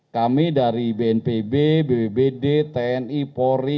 kami dari bnpb bbbd tni polri